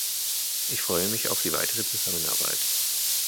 Ich freue mich auf die weitere Zusammenarbeit.